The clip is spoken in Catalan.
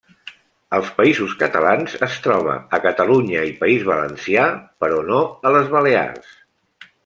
Als Països Catalans es troba a Catalunya i País Valencià, però no a les Balears.